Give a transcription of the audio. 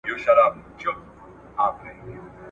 ډنبار ډېر لږ عمر وکړ `